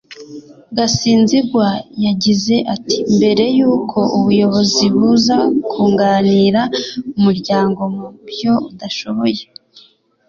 Gasinzigwa yagize ati “Mbere y’uko ubuyobozi buza kunganira umuryango mu byo udashoboye